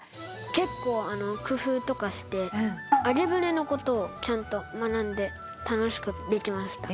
結構工夫とかして揚舟のことをちゃんと学んで楽しくできました。